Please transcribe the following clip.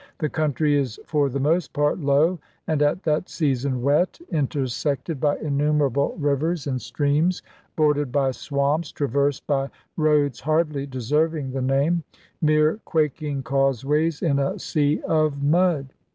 The country is for the most part low and at that season wet, intersected by innumerable rivers and streams, bordered by swamps, traversed by roads hardly deserving the name, mere quaking causeways in a sea of mud.